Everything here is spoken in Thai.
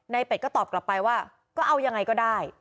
เป็ดก็ตอบกลับไปว่าก็เอายังไงก็ได้